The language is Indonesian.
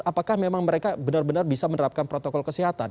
apakah memang mereka benar benar bisa menerapkan protokol kesehatan